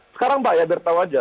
sekarang mbak ya bertahu aja